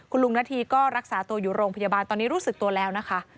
คุณลุงนาธีก็รักษาตัวอยู่โรงพยาบาลตอนนี้รู้สึกตัวแล้วนะคะ